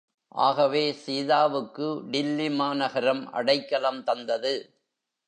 ஆகவே சீதாவுக்கு டில்லிமாநகரம் அடைக்கலம் தந்தது!